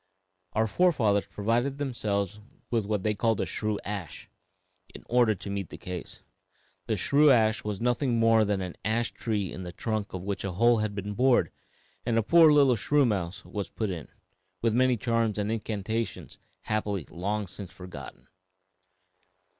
Our forefathers provided themselves with what they called a shrew ash, in order to meet the case. The shrew ash was nothing more than an ash tree in the trunk of which a hole had been bored and a poor little shrew mouse put in, with many charms and incantations happily long since forgotten."